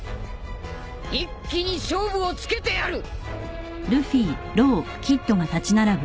一気に勝負をつけてやる！